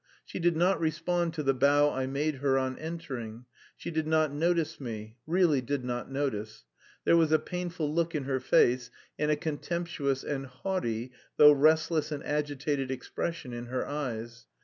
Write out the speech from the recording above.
She did not respond to the bow I made her on entering; she did not notice me (really did not notice). There was a painful look in her face and a contemptuous and haughty though restless and agitated expression in her eyes.